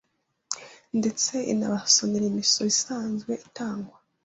ndetse inabasonera imisoro isanzwe itangwa